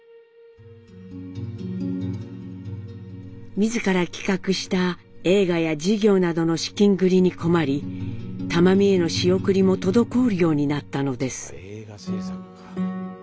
自ら企画した映画や事業などの資金繰りに困り玉美への仕送りも滞るようになったのです。